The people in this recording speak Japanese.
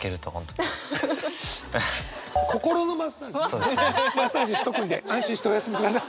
マッサージしとくんで安心してお休み下さい。